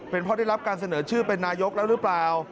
เพราะได้รับการเสนอชื่อเป็นนายกแล้วหรือเปล่า